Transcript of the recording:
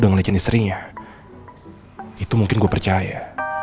dengan istrinya itu mungkin percaya